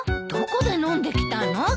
どこで飲んできたの？